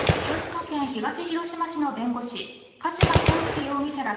広島県東広島市の弁護士加島康介容疑者ら